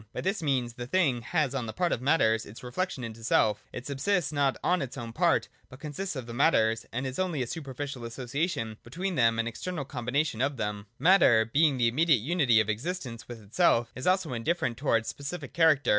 By this means the thing has on the part of the matters its reflection into self (the reverse of § 125) ; it subsists not on its own part, but consists of the matters, and is only a superficial association between them, an external combination of them. 236 THE DOCTRINE OF ESSENCE. [128. 128.] (y) Matter, being the immediate unity 01" exist ence with itself, is also indifferent towards specific character.